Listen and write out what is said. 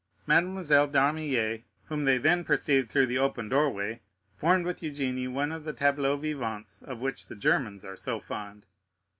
Mademoiselle d'Armilly, whom they then perceived through the open doorway, formed with Eugénie one of the tableaux vivants of which the Germans are so fond.